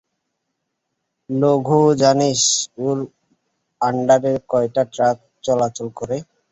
লগু, জানিস ওর আন্ডারে কয়টা ট্রাক চলাচল করে?